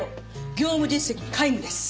業務実績も皆無です。